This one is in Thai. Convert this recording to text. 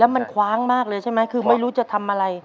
มันคว้างมากเลยใช่ไหมคือไม่รู้จะทำอะไร